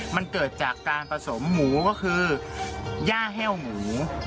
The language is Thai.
มันเกิดจากการผสมหมูก็คือย่าแห้วหมู